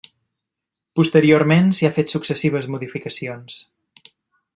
Posteriorment s'hi ha fet successives modificacions.